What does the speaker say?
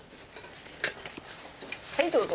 はいどうぞ。